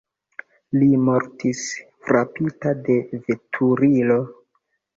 Li mortis frapita de veturilo.